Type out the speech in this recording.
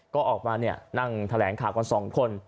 ก็ออกมานั่งแถลงข่าวกัน๒คน